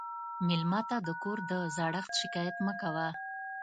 مېلمه ته د کور د زړښت شکایت مه کوه.